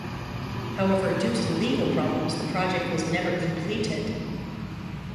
However, due to legal problems the project was never completed.